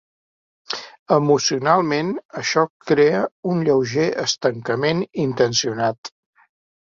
Emocionalment, això crea un lleuger estancament intencionat.